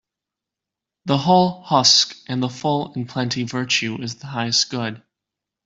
The hull husk and the full in plenty Virtue is the highest good.